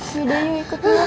yuk deh yuk ikut yuk